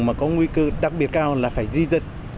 mà có nguy cơ đặc biệt cao là phải di dân